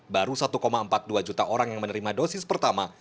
baru satu empat puluh dua juta orang yang menerima dosis pertama